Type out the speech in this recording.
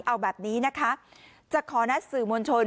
เอาแบบนี้นะคะจะขอนัดสื่อมวลชน